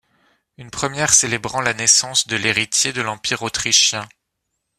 Une première célébrant la naissance de l'héritier de l'Empire autrichien.